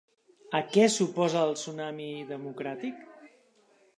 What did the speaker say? A què s'oposa el Tsunami Democràtic?